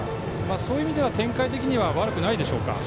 そういう意味では展開的には悪くないでしょうか。